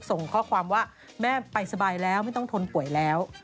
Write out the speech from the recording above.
ส่งข้อความว่าแม่ไปสบายแล้วไม่ต้องทนป่วยแล้ว